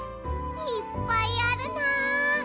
いっぱいあるな。